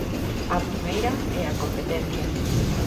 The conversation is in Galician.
A primeira é a competencia.